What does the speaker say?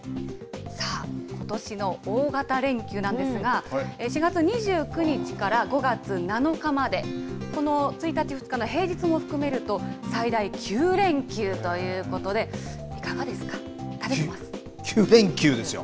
さあ、ことしの大型連休なんですが、４月２９日から５月７日まで、この１日、２日の平日も含めると、最大９連休ということで、９連休ですよ。